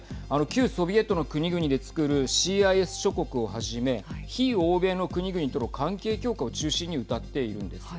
旧ソビエトの国々でつくるＣＩＳ諸国をはじめ非欧米の国々との関係強化を中心にうたっているんです。